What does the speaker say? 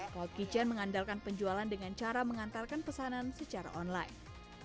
cloud kitchen mengandalkan penjualan dengan cara mengantarkan pesanan secara online